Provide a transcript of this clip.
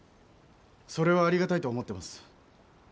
それはありがたいと思ってます。